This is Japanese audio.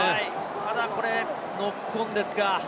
ただ、これノックオンですか。